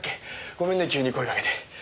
ごめんね急に声かけて。